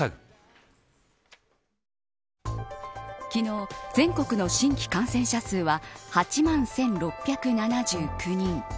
昨日、全国の新規感染者数は８万１６７９人。